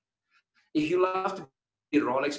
jika anda suka menjadi rolex